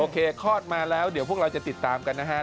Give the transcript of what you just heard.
คลอดมาแล้วเดี๋ยวพวกเราจะติดตามกันนะฮะ